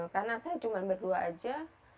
karena saya cuma berdua saja